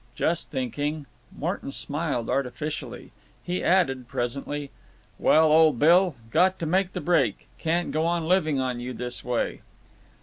Just thinking." Morton smiled artificially. He added, presently: "Well, old Bill, got to make the break. Can't go on living on you this way."